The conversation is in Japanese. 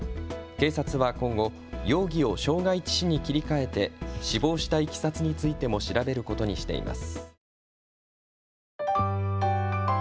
警察は今後、容疑を傷害致死に切り替えて死亡したいきさつについても調べることにしています。